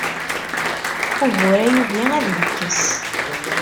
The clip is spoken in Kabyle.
Ugur-a yugi ad yekkes.